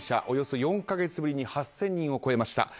およそ４か月ぶりに８０００人を超えました。